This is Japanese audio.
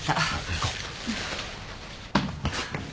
行こう。